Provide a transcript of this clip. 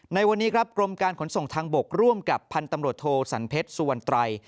ในวันนี้ครับกรมการขนส่งทางบกร่วมกับพันธุ์ตำรวจโทสันเพชรสุวรรณไตร